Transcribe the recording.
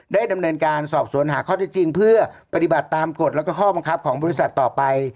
ดำเนินการสอบสวนหาข้อที่จริงเพื่อปฏิบัติตามกฎแล้วก็ข้อบังคับของบริษัทต่อไป